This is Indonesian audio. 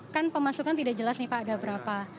kan pemasukan tidak jelas nih pak ada berapa